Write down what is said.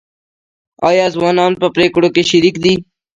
آیا ځوانان په پریکړو کې شریک دي؟